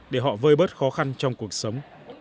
để họ vơi bớt khó khăn trong cuộc sống